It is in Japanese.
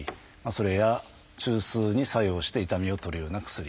それや中枢に作用して痛みを取るような薬。